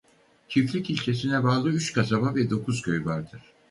Çiftlik ilçesine bağlı üç kasaba ve dokuz köy vardır.